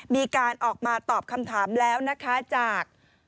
มีการออกมาตอบคำถามแล้วนะคะจาก